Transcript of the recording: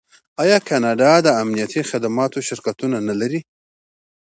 آیا کاناډا د امنیتي خدماتو شرکتونه نلري؟